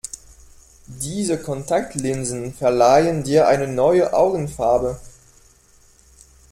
Diese Kontaktlinsen verleihen dir eine neue Augenfarbe.